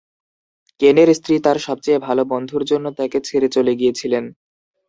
কেনের স্ত্রী তার সবচেয়ে ভালো বন্ধুর জন্য তাকে ছেড়ে চলে গিয়েছিলেন।